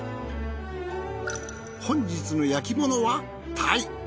本日の焼き物は鯛。